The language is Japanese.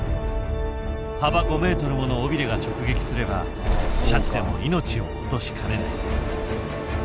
幅５ｍもの尾びれが直撃すればシャチでも命を落としかねない。